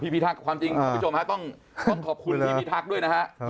พี่พิทักความจริงคุณผู้ชมต้องขอบคุณพี่พิทักด้วยนะครับ